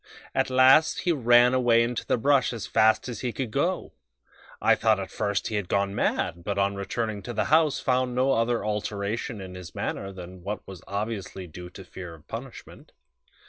At last he ran away into the brush as fast as he could go. I thought at first that he had gone mad, but on returning to the house found no other alteration in his manner than what was obviously due to fear of punishment.